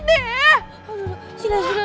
gak bisa banget deh